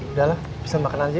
udah lah bisa makan aja yuk